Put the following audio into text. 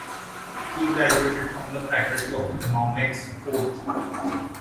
He graduated from the faculty of Economics, Iv.